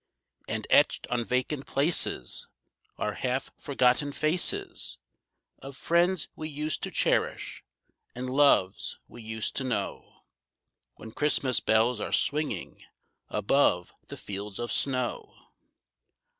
And etched on vacant places, Are half forgotten faces Of friends we used to cherish, and loves we used to know When Christmas bells are swinging above the fields of snow.